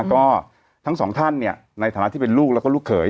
ก็ทั้งสองท่านในฐานะที่เป็นลูกแล้วก็ลูกเขย